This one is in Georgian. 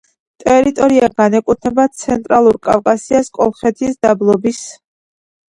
ტერიტორია განეკუთვნება ცენტრალურ კავკასიას, კოლხეთის დაბლობის